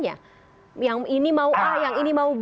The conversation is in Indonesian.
yang ini mau a yang ini mau b